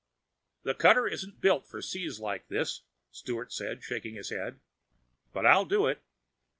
"The cutter isn't built for seas like this," Sturt said, shaking his head. "But I'll do it."